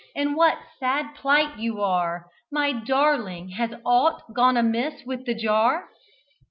in what sad plight you are; My darling; has aught gone amiss with the jar?"